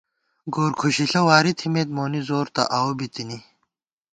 گور کُھشِݪہ واری تھِمېت ، مونی زور تہ آؤو بِی تِنی